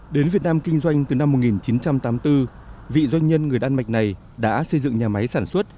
đến việt nam kinh doanh từ năm một nghìn chín trăm tám mươi bốn vị doanh nhân người đan mạch này đã xây dựng nhà máy sản xuất